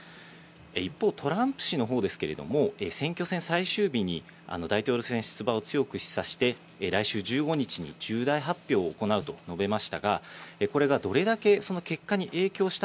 一方、トランプ氏のほうですけれども、選挙戦最終日に大統領選、出馬を強く示唆して、来週１５日に重大発表を行うと述べましたが、これがどれだけその結果に影響し